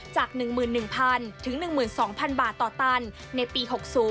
จาก๑๑๐๐๐๑๒๐๐บาทต่อตันในปี๖๐